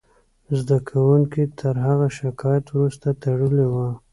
زده کوونکو تر هغه شکایت وروسته تړلې وه